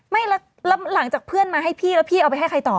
ไม่แล้วหลังจากเพื่อนมาให้พี่แล้วพี่เอาไปให้ใครต่อ